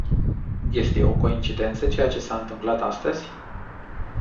Este o coincidență ceea ce s-a întâmplat astăzi?